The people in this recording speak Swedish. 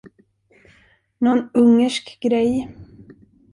Någon ungersk grej.